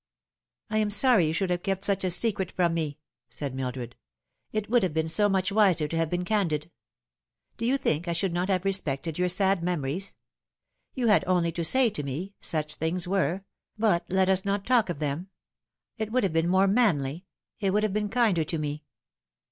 " I am sorry you should have kept such a secret from me," said Mildred. " It would have been so much wiser to have been candid. Do you think I should not have respected your sad memories ? You had only to say to me ' Such things were ; but let us not talk of them.' It would have been more manly ; it would have been kinder to me."